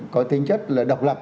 có tính chất là độc lập